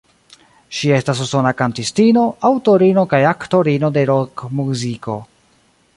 Ŝi estas usona kantistino, aŭtorino kaj aktorino de rokmuziko.